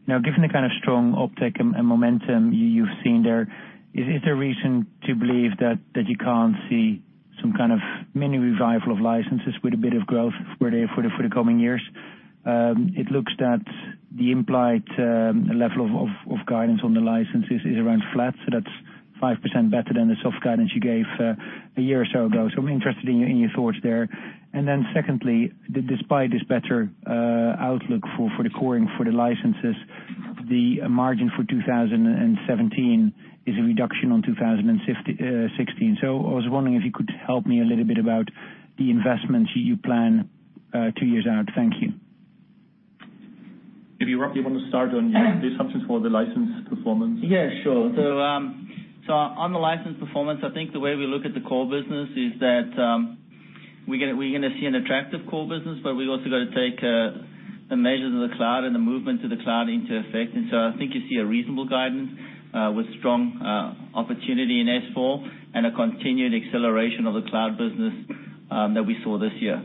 Now, given the kind of strong uptick and momentum you've seen there, is there reason to believe that you can't see some kind of mini revival of licenses with a bit of growth for the coming years? It looks that the implied level of guidance on the licenses is around flat, that's 5% better than the soft guidance you gave a year or so ago. I'm interested in your thoughts there. Then secondly, despite this better outlook for the core and for the licenses, the margin for 2017 is a reduction on 2016. I was wondering if you could help me a little bit about the investments you plan two years out. Thank you. If you want to start on the assumptions for the license performance. Yeah, sure. On the license performance, I think the way we look at the core business is that we're going to see an attractive core business, we've also got to take the measures of the cloud and the movement to the cloud into effect. I think you see a reasonable guidance with strong opportunity in S/4 and a continued acceleration of the cloud business that we saw this year.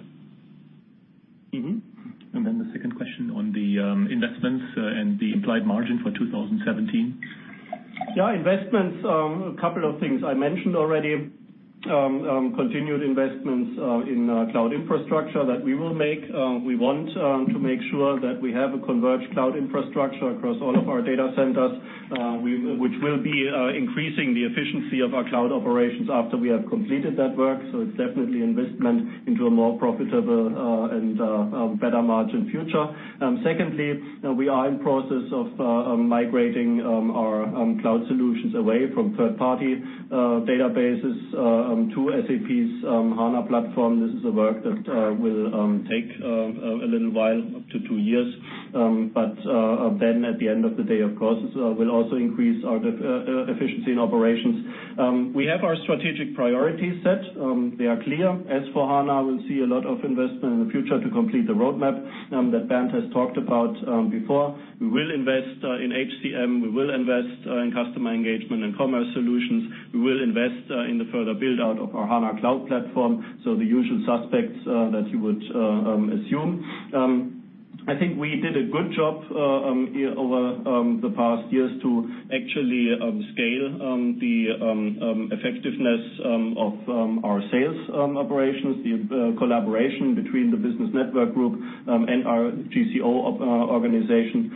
Mm-hmm. The second question on the investments and the implied margin for 2017. Yeah, investments, a couple of things. I mentioned already continued investments in cloud infrastructure that we will make. We want to make sure that we have a converged cloud infrastructure across all of our data centers, which will be increasing the efficiency of our cloud operations after we have completed that work. It's definitely investment into a more profitable and better margin future. Secondly, we are in process of migrating our cloud solutions away from third-party databases to SAP's HANA platform. This is a work that will take a little while, up to two years. At the end of the day, of course, will also increase our efficiency in operations. We have our strategic priorities set. They are clear. As for HANA, we'll see a lot of investment in the future to complete the roadmap that Bernd has talked about before. We will invest in HCM. We will invest in customer engagement and commerce solutions. We will invest in the further build-out of our HANA Cloud Platform, the usual suspects that you would assume. I think we did a good job over the past years to actually scale the effectiveness of our sales operations. The collaboration between the business network group and our GCO organization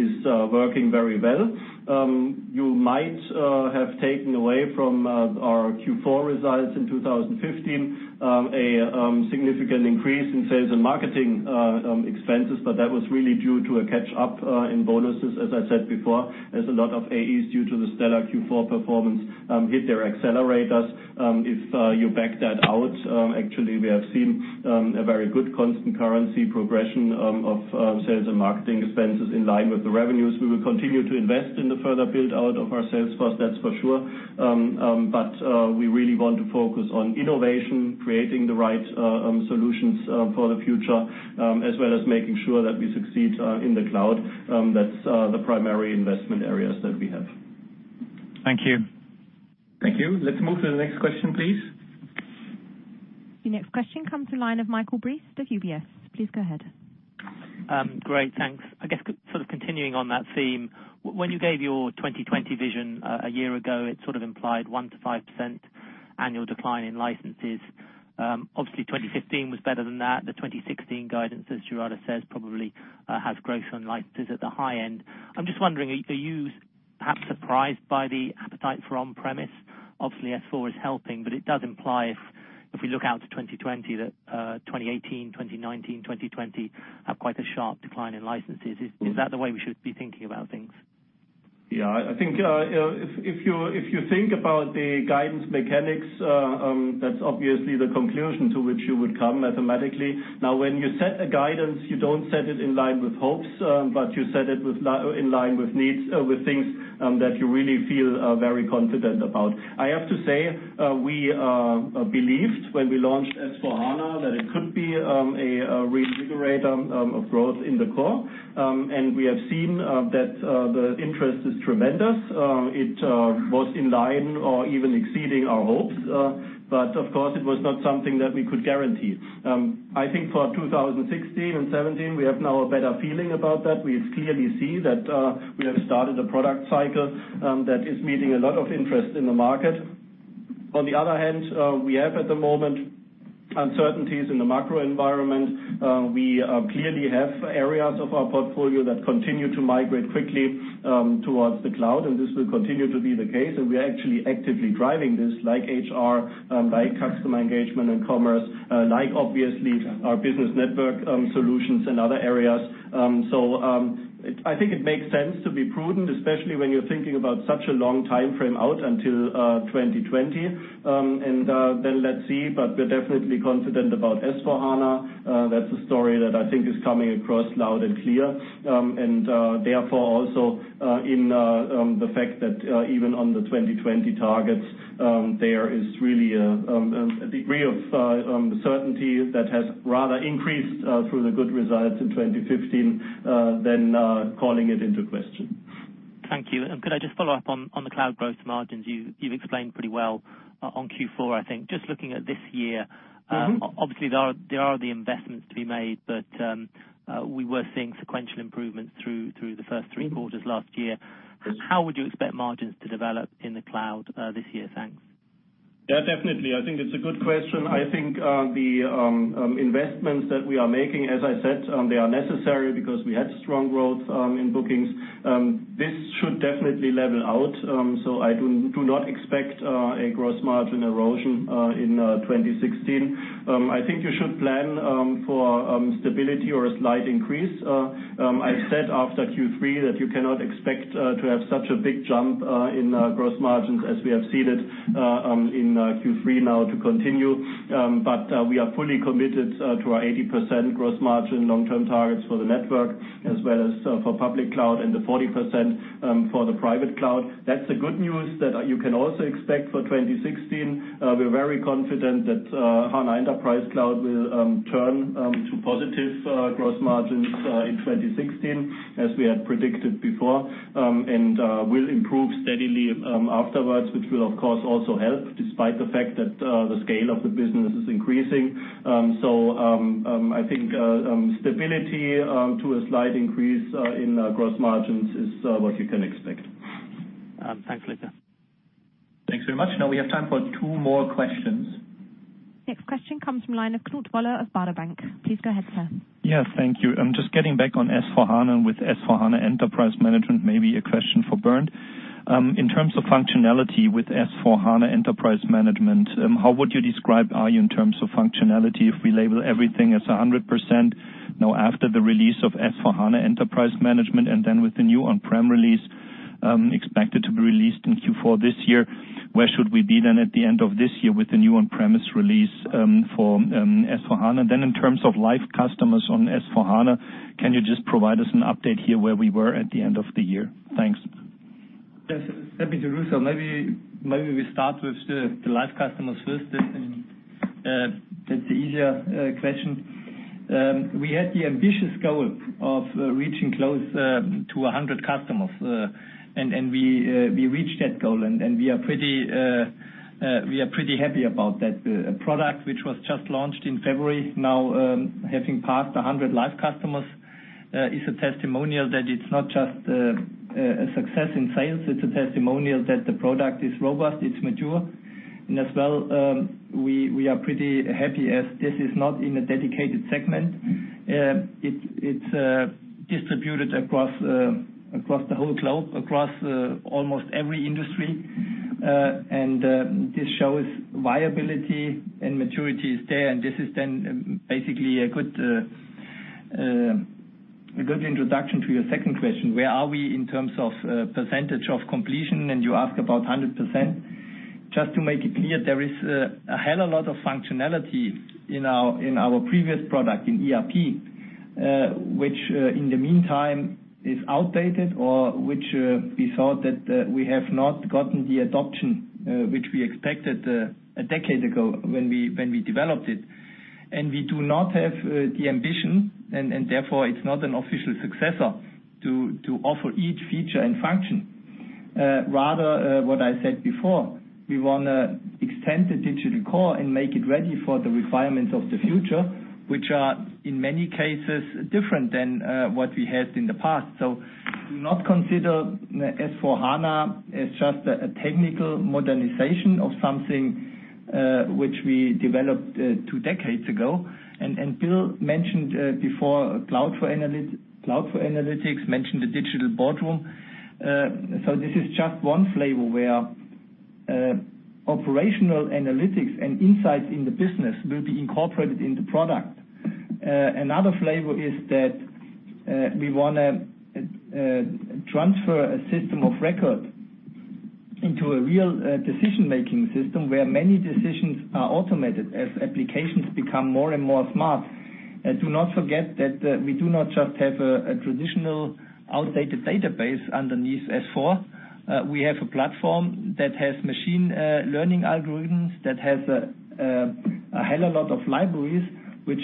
is working very well. You might have taken away from our Q4 results in 2015, a significant increase in sales and marketing expenses, that was really due to a catch-up in bonuses, as I said before. There's a lot of AEs due to the stellar Q4 performance hit their accelerators. If you back that out, actually we have seen a very good constant currency progression of sales and marketing expenses in line with the revenues. We will continue to invest in the further build-out of our sales force, that's for sure. We really want to focus on innovation, creating the right solutions for the future, as well as making sure that we succeed in the cloud. That's the primary investment areas that we have. Thank you. Thank you. Let's move to the next question, please. Your next question comes to the line of Michael Briest of UBS. Please go ahead. Great, thanks. I guess continuing on that theme, when you gave your 2020 vision a year ago, it sort of implied 1%-5% annual decline in licenses. Obviously, 2015 was better than that. The 2016 guidance, as Gerrit says, probably has growth on licenses at the high end. I'm just wondering, are you perhaps surprised by the appetite for on-premise? Obviously S/4 is helping, but it does imply if, we look out to 2020, that 2018, 2019, 2020 have quite a sharp decline in licenses. Is that the way we should be thinking about things? Yeah. I think, if you think about the guidance mechanics, that's obviously the conclusion to which you would come mathematically. When you set a guidance, you don't set it in line with hopes, but you set it in line with needs, with things that you really feel very confident about. I have to say, we believed when we launched S/4HANA that it could be a reinvigorator of growth in the core. We have seen that the interest is tremendous. It was in line or even exceeding our hopes. Of course, it was not something that we could guarantee. I think for 2016 and 2017, we have now a better feeling about that. We clearly see that we have started a product cycle that is meeting a lot of interest in the market. On the other hand, we have, at the moment, uncertainties in the macro environment. We clearly have areas of our portfolio that continue to migrate quickly towards the cloud, and this will continue to be the case. We are actually actively driving this like HR, like customer engagement and commerce, like obviously our business network solutions and other areas. I think it makes sense to be prudent, especially when you're thinking about such a long timeframe out until 2020. Let's see, we're definitely confident about S/4HANA. That's a story that I think is coming across loud and clear. Also in the fact that even on the 2020 targets, there is really a degree of certainty that has rather increased through the good results in 2015 than calling it into question. Thank you. Could I just follow up on the cloud gross margins? You've explained pretty well on Q4, I think. Just looking at this year. There are the investments to be made, but we were seeing sequential improvements through the first three quarters last year. How would you expect margins to develop in the cloud this year? Thanks. Yeah, definitely. I think it's a good question. I think, the investments that we are making, as I said, they are necessary because we had strong growth in bookings. This should definitely level out. I do not expect a gross margin erosion in 2016. I think you should plan for stability or a slight increase. I said after Q3 that you cannot expect to have such a big jump in gross margins as we have seen it in Q3 now to continue. We are fully committed to our 80% gross margin long-term targets for the network, as well as for public cloud and the 40% for the private cloud. That's the good news that you can also expect for 2016. We're very confident that SAP HANA Enterprise Cloud will turn to positive gross margins in 2016, as we had predicted before. Will improve steadily afterwards, which will of course also help, despite the fact that the scale of the business is increasing. I think stability to a slight increase in gross margins is what you can expect. Thanks, Luka. Thanks very much. Now we have time for two more questions. Next question comes from line of Knut Woller of Baader Bank. Please go ahead, sir. Yeah, thank you. Just getting back on S/4HANA with S/4HANA Enterprise Management, maybe a question for Bernd. In terms of functionality with S/4HANA Enterprise Management, how would you describe are you in terms of functionality if we label everything as 100%? Now after the release of S/4HANA Enterprise Management and then with the new on-prem release, expected to be released in Q4 this year, where should we be then at the end of this year with the new on-premise release for S/4HANA? In terms of live customers on S/4HANA, can you just provide us an update here where we were at the end of the year? Thanks. Yes, happy to do so. Maybe we start with the live customers first, I think. That's the easier question. We had the ambitious goal of reaching close to 100 customers. We reached that goal, and we are pretty happy about that. A product which was just launched in February, now having passed 100 live customers, is a testimonial that it's not just a success in sales. It's a testimonial that the product is robust, it's mature, and as well, we are pretty happy as this is not in a dedicated segment. It's distributed across the whole globe, across almost every industry. This shows viability and maturity is there, and this is then basically a good introduction to your second question, where are we in terms of percentage of completion? You ask about 100%. Just to make it clear, there is a hell a lot of functionality in our previous product, in SAP ERP, which in the meantime is outdated or which we thought that we have not gotten the adoption, which we expected a decade ago when we developed it. We do not have the ambition, and therefore it's not an official successor, to offer each feature and function. Rather, what I said before, we want to extend the digital core and make it ready for the requirements of the future, which are, in many cases, different than what we had in the past. Do not consider SAP S/4HANA as just a technical modernization of something which we developed two decades ago. Bill mentioned before SAP Cloud for Analytics, mentioned the SAP Digital Boardroom. This is just one flavor where operational analytics and insights in the business will be incorporated into product. Another flavor is that we want to transfer a system of record into a real decision-making system where many decisions are automated as applications become more and more smart. Do not forget that we do not just have a traditional, outdated database underneath S4. We have a platform that has machine learning algorithms, that has a hell of a lot of libraries, which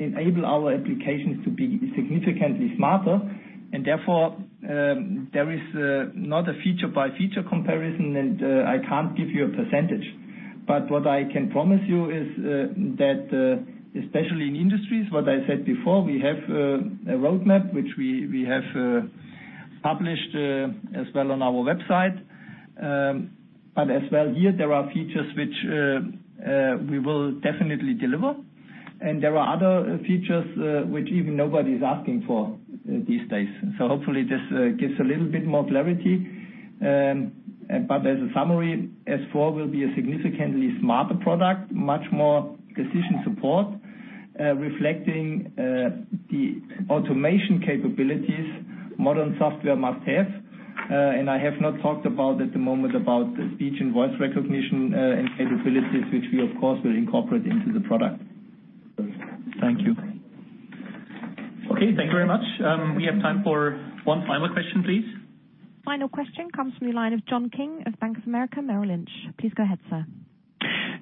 enable our applications to be significantly smarter. Therefore, there is not a feature by feature comparison, and I can't give you a percentage. What I can promise you is that, especially in industries, what I said before, we have a roadmap which we have published as well on our website. As well here, there are features which we will definitely deliver, and there are other features which even nobody's asking for these days. Hopefully this gives a little bit more clarity. As a summary, S4 will be a significantly smarter product, much more decision support, reflecting the automation capabilities modern software must have. I have not talked about, at the moment, about the speech and voice recognition, and capabilities, which we, of course, will incorporate into the product. Thank you. Okay, thank you very much. We have time for one final question, please. Final question comes from the line of John King of Bank of America Merrill Lynch. Please go ahead, sir.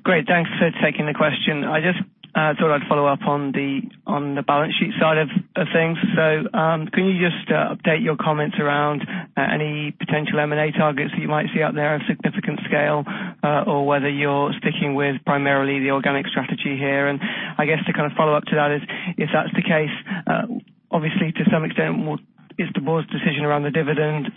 Great. Thanks for taking the question. I just thought I'd follow up on the balance sheet side of things. Can you just update your comments around any potential M&A targets that you might see out there of significant scale, or whether you're sticking with primarily the organic strategy here? I guess to follow up to that is, if that's the case, obviously to some extent, it's the board's decision around the dividend,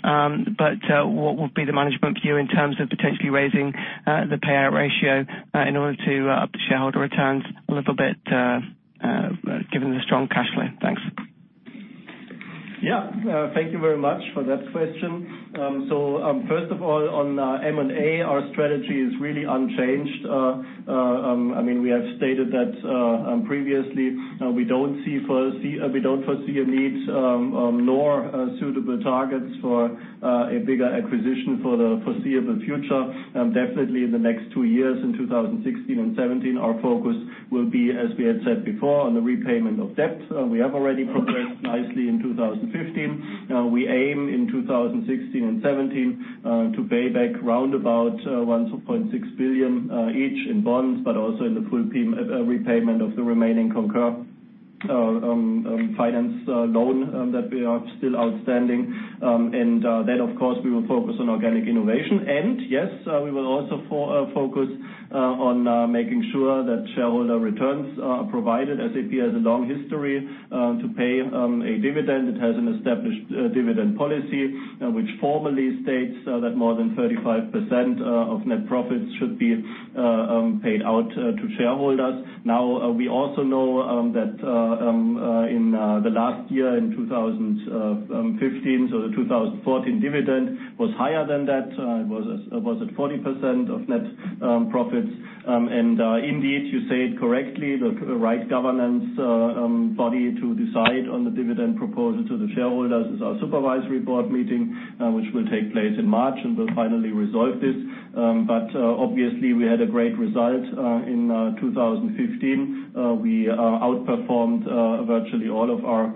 but what would be the management view in terms of potentially raising the payout ratio in order to up shareholder returns a little bit, given the strong cash flow? Thanks. Thank you very much for that question. First of all, on M&A, our strategy is really unchanged. We have stated that previously. We don't foresee a need, nor suitable targets for a bigger acquisition for the foreseeable future. Definitely in the next two years, in 2016 and 2017, our focus will be, as we had said before, on the repayment of debt. We have already progressed nicely in 2015. We aim in 2016 and 2017 to pay back roundabout 1.6 billion each in bonds, but also in the full repayment of the remaining SAP Concur finance loan that we are still outstanding. Then, of course, we will focus on organic innovation. Yes, we will also focus on making sure that shareholder returns are provided. SAP has a long history to pay a dividend. It has an established dividend policy, which formally states that more than 35% of net profits should be paid out to shareholders. We also know that in the last year, in 2015, the 2014 dividend was higher than that. It was at 40% of net profits. Indeed, you say it correctly, the right governance body to decide on the dividend proposal to the shareholders is our supervisory board meeting, which will take place in March, and we'll finally resolve this. Obviously, we had a great result in 2015. We outperformed virtually all of our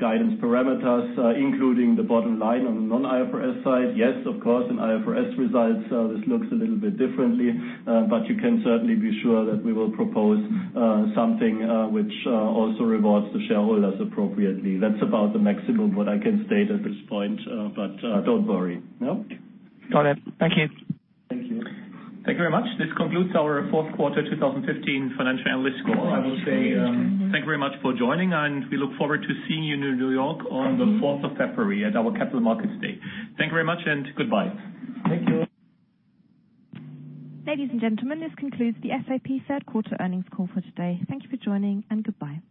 guidance parameters, including the bottom line on the non-IFRS side. Yes, of course, in IFRS results, this looks a little bit differently. You can certainly be sure that we will propose something which also rewards the shareholders appropriately. That's about the maximum what I can state at this point. Don't worry. No? Got it. Thank you. Thank you. Thank you very much. This concludes our fourth quarter 2015 financial analyst call. I will say thank you very much for joining, and we look forward to seeing you in New York on the 4th of February at our Capital Markets Day. Thank you very much, and goodbye. Thank you. Ladies and gentlemen, this concludes the SAP third quarter earnings call for today. Thank you for joining, and goodbye.